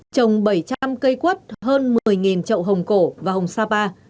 trồng bảy trăm linh cây quất hơn một mươi trậu hồng cổ và hồng sapa